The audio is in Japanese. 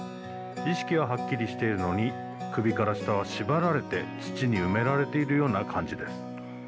意識は、はっきりしているのに首から下は縛られて、土に埋められているような感じです。